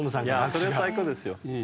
それ最高ですよ。